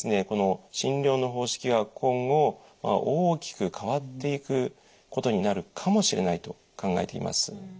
この診療の方式は今後大きく変わっていくことになるかもしれないと考えています。